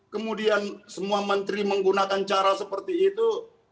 kemudian semua menteri menggunakan cara seperti itu